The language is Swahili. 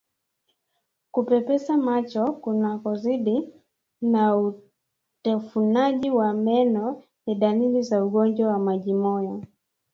Kupepesa macho kunakozidi na utafunaji wa meno ni dalili za ugonjwa wa majimoyo